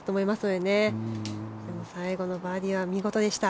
でも、最後のバーディーは見事でした。